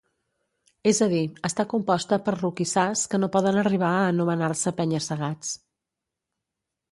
És a dir, està composta per roquissars que no poden arribar a anomenar-se penya-segats.